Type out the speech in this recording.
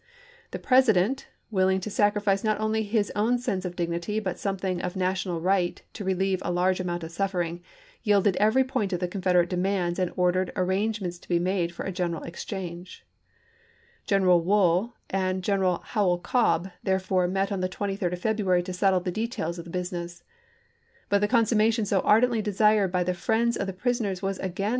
The President, willing to sacrifice not only his own sense of dig nity but something of national right to relieve a large amount of suffering, yielded every point of the Confederate demands and ordered arrange ments to be made for a general exchange. General Wool and General Howell Cobb therefore met on the 23d of February to settle the details of 1862. the business. But the consummation so ardently desired by the friends of the prisoners was again Vol. VII.— 29 450 ABRAHAM LINCOLN chap.